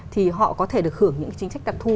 thì họ có thể được hưởng những chính sách đặc thù